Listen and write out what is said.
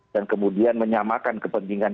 dan kemudian menyamakan kepentingan